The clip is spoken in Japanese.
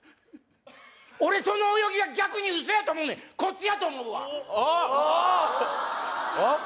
俺その泳ぎは逆に嘘やと思うねんこっちやと思うわ・あっ！